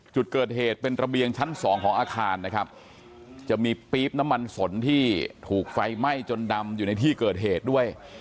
จุดเกิดเหตุเป็นระเบียงชั้นสองของอาคารนะครับจะมีปี๊บน้ำมันสนที่ถูกไฟไหม้จนดำอยู่ในที่เกิดเหตุด้วย